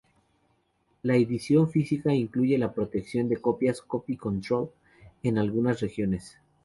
La edición física incluye la protección de copias -Copy Control- en algunas regiones.